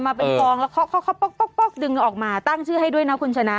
มาเป็นกองแล้วเคาะป๊อกดึงออกมาตั้งชื่อให้ด้วยนะคุณชนะ